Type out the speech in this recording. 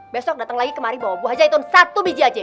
besok dateng lagi kemari bawa buah jian hitung satu biji aja